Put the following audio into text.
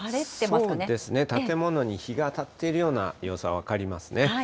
そうですね、建物に日が当たっているような様子は分かりますね。